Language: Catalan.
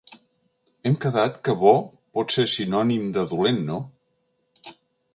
Hem quedat que bo pot ser sinònim de dolent, no?